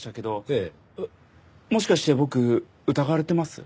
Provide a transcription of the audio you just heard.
えっもしかして僕疑われてます？